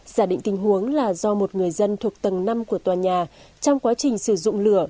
giả định tình huống là do một người dân thuộc tầng năm của tòa nhà trong quá trình sử dụng lửa